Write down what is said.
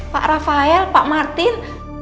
pak rafael pak martin